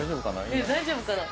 大丈夫かな？